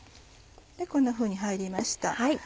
こんなふうに入りました。